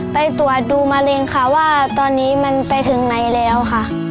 ไปตรวจดูมะเร็งค่ะว่าตอนนี้มันไปถึงไหนแล้วค่ะ